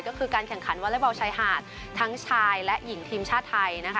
ก็คือการแข่งขันวอเล็กบอลชายหาดทั้งชายและหญิงทีมชาติไทยนะคะ